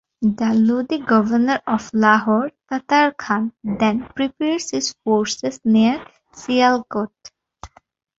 The Lodhi governor of Lahore Tatar Khan then prepares his forces near Sialkot.